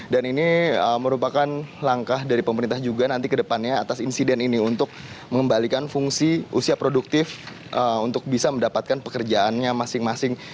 dan ini merupakan langkah dari pemerintah juga nanti ke depannya atas insiden ini untuk mengembalikan fungsi usia produktif untuk bisa mendapatkan pekerjaannya masing masing